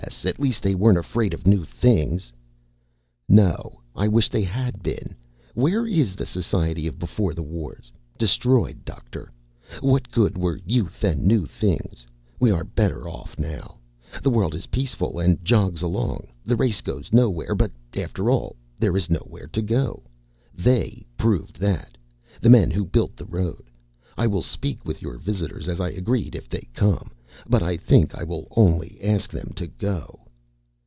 At least they weren't afraid of new things." "No. I wish they had been. Where is the society of Beforethewars? Destroyed, Doctor! What good were youth and new things? We are better off now. The world is peaceful and jogs along. The race goes nowhere but after all, there is nowhere to go. They proved that. The men who built the road. I will speak with your visitors as I agreed, if they come. But I think I will only ask them to go."